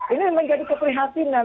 ini menjadi keprihatinan